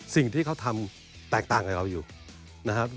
สิ่งที่เขาทำแตกต่างกับเราอยู่นะครับ